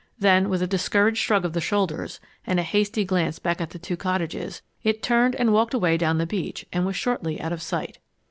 Then, with a discouraged shrug of the shoulders and a hasty glance back at the two cottages, it turned and walked away down the beach and was shortly out of sight.